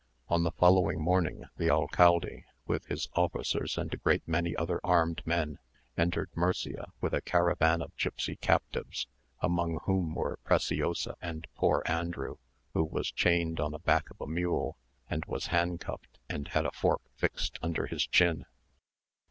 On the following morning the alcalde, with his officers and a great many other armed men, entered Murcia with a caravan of gipsy captives, among whom were Preciosa and poor Andrew, who was chained on the back of a mule, and was handcuffed and had a fork fixed under his chin.